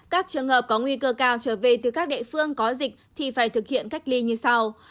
các trường hợp có nguy cơ cao trở về từ các địa phương có dịch thì phải thực hiện cách ly như sau